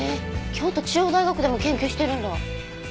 京都中央大学でも研究してるんだ。